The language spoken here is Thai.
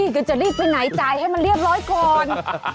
ก็จะรีบไปไหนจ่ายให้มันเรียบร้อยก่อน